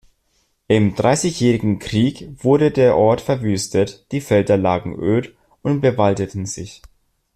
Im Dreißigjährigen Krieg wurde der Ort verwüstet, die Felder lagen öd und bewaldeten sich.